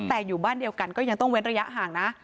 แต่อยู่บ้านเดียวกันก็ยังต้องเว้นระยะห่างนะ